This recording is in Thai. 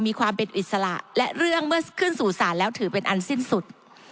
มีความเป็นอิสระและเรื่องเมื่อขึ้นสู่ศาลแล้วถือเป็นอันสิ้นสุด